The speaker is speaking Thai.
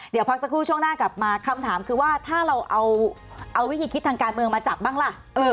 เดี๋ยวพักสักครู่ช่วงหน้ากลับมาคำถามคือว่าถ้าเราเอาวิธีคิดทางการเมืองมาจับบ้างล่ะ